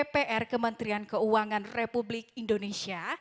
dpr kementerian keuangan republik indonesia